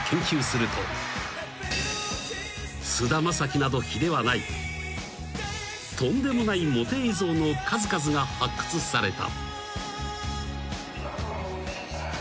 ［菅田将暉など比ではないとんでもないモテ映像の数々が発掘された］